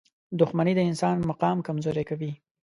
• دښمني د انسان مقام کمزوری کوي.